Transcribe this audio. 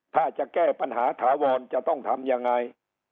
ถ้าจะแก้ปัญหาถาวรจะต้องทำยังไง